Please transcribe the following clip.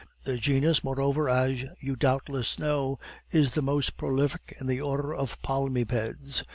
"The genus, moreover, as you doubtless know, is the most prolific in the order of palmipeds.